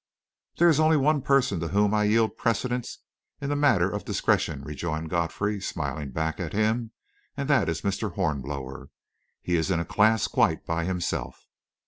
"There is only one person to whom I yield precedence in the matter of discretion," rejoined Godfrey, smiling back at him, "and that is Mr. Hornblower. He is in a class quite by himself."